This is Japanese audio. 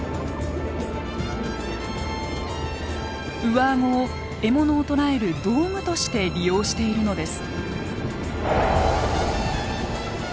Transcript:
上顎を獲物を捕らえる道具として利用しているのです。